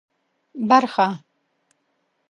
برخه